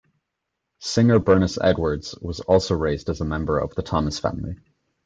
Singer Bernice Edwards was also raised as a member of the Thomas family.